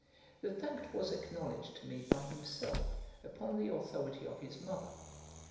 The fact was acknowledged to me by himself, upon the authority of his mother.